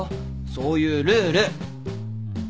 そういうルール。